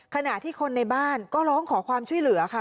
ขณะที่คนในบ้านก็ร้องขอความช่วยเหลือค่ะ